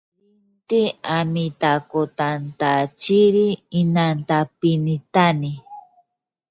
Fue colaborador de ""El Diario Ilustrado"".